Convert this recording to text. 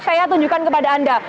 saya tunjukkan kepada anda